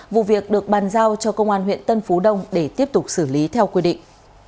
vụ việc được bàn giao cho công an huyện tân phú đông để tiếp tục xử lý theo quy định